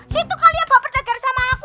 situ kali yang baper dan geer sama aku